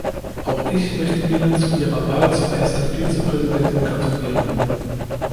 Auch ich möchte Ihnen zu Ihrer Wahl zum ersten Vizepräsidenten gratulieren.